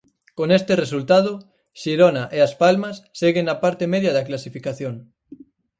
Con este resultado, Xirona e As Palmas seguen na parte media da clasificación.